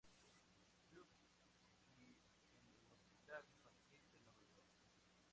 Luke y en el hospital infantil de Nueva York.